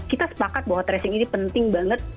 kita sepakat bahwa tracing ini penting banget